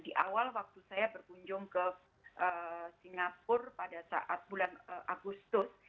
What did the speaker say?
di awal waktu saya berkunjung ke singapura pada saat bulan agustus